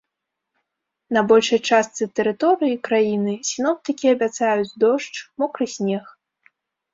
На большай частцы тэрыторыі краіны сіноптыкі абяцаюць дождж, мокры снег.